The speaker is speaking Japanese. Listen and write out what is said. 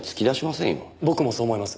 僕もそう思います。